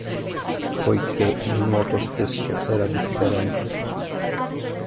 Poiché il nuoto stesso era differente.